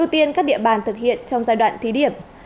ưu tiên các địa bàn thực hiện trong giai đoạn thí điểm